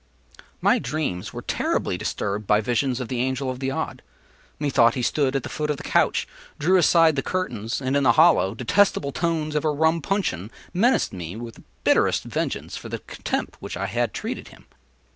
My dreams were terrifically disturbed by visions of the Angel of the Odd. Methought he stood at the foot of the couch, drew aside the curtains, and, in the hollow, detestable tones of a rum puncheon, menaced me with the bitterest vengeance for the contempt with which I had treated him.